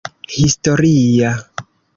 historia